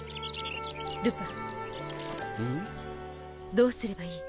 どうすればいい？